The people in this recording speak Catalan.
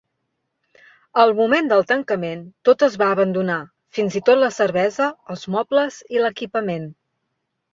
Al moment del tancament, tot es va abandonar, fins i tot la cervesa, els mobles i l'equipament.